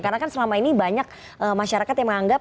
karena kan selama ini banyak masyarakat yang menganggap